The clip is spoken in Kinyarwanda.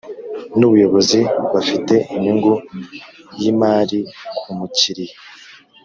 N ubuyobozi bafite inyungu y imari ku mukiriya